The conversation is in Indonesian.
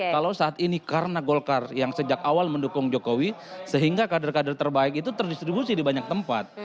kalau saat ini karena golkar yang sejak awal mendukung jokowi sehingga kader kader terbaik itu terdistribusi di banyak tempat